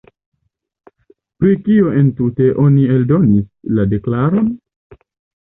Por kio entute oni eldonis la deklaron?